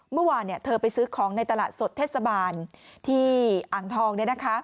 เมื่อวานเธอไปซื้อของในตลาดสดเทศบาลที่อ่างทอง